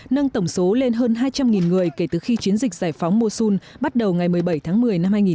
nâng tổng số lên hơn hai trăm linh người kể từ khi chiến dịch giải phóng mosun bắt đầu ngày một mươi bảy tháng một mươi năm hai nghìn một mươi